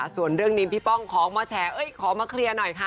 ส่วนเรื่องนี้พี่ป้องขอมาแฉขอมาเคลียร์หน่อยค่ะ